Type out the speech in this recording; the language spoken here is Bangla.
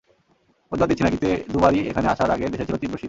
অজুহাত দিচ্ছি না, কিন্তু দুবারই এখানে আসার আগে দেশে ছিল তীব্র শীত।